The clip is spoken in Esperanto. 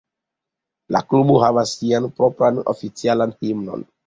La klubo havas sian propran oficialan himnon.